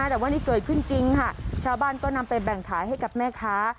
แต่ว่านี่เกิดขึ้นจริงค่ะชาวบ้านก็นำไปแบ่งขายให้กับแม่ค้า